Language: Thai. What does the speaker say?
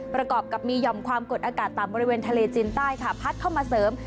ประกอบกับมีหย่อมความกดอากาศต่ำบริเวณทะเลจีนใต้ค่ะพัดเข้ามาเสริม